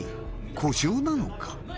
故障なのか？